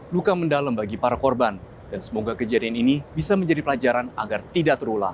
luka mendalam bagi para korban dan semoga kejadian ini bisa menjadi pelajaran agar tidak terulang